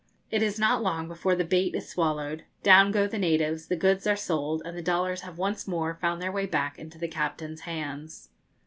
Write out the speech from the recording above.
It is not long before the bait is swallowed; down go the natives, the goods are sold, and the dollars have once more found their way back into the captain's hands.